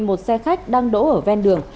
một xe khách đang đỗ ở ven đường